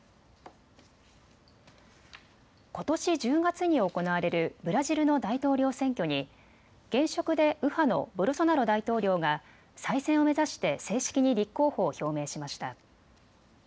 ことし１０月に行われるブラジルの大統領選挙に現職で右派のボルソナロ大統領が再選を目指して正式に立候補を表明しました。